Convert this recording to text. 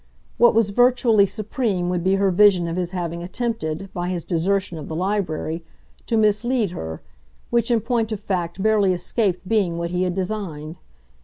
What was virtually supreme would be her vision of his having attempted, by his desertion of the library, to mislead her which in point of fact barely escaped being what he had designed.